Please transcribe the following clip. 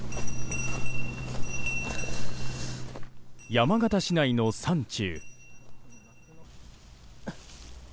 山形市内の山中。